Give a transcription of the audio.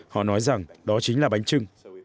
họ nói rằng đó chính là bánh trưng